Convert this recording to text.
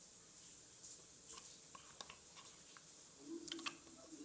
bei zimepanda kwa viwango vikubwa sana